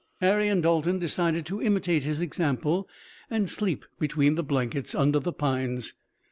Harry and Dalton decided to imitate his example and sleep between the blankets under the pines.